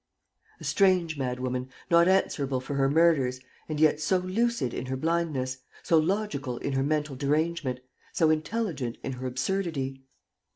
A strange madwoman, not answerable for her murders, and yet so lucid in her blindness, so logical in her mental derangement, so intelligent in her absurdity!